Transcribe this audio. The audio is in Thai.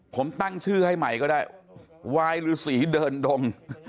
ผมตั้งชื่อให้ใหม่ก็ได้วายฤษีเดินดง